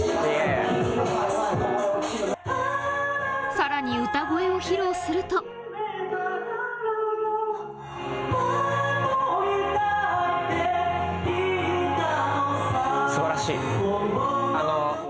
さらに歌声を披露すると素晴らしい。